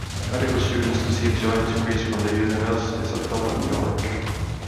Medical students receive joint degrees from the universities of Hull and York.